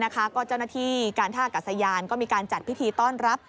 ก็เจ้าหน้าที่การท่ากัศยานก็มีการจัดพิธีต้อนรับ